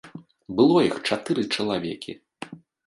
Было іх чатыры чалавекі.